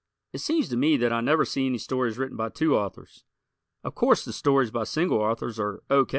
It seems to me that I never see any stories written by two authors. Of course the stories by single authors are O.